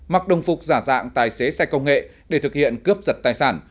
mặc đồng phục giả dạng tài xế xe công nghệ để thực hiện cướp giật tài sản